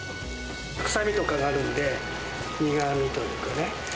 臭みとかがあるんで、苦みというかね。